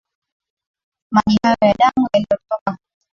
Maji hayo na damu, yaliyotoka humo.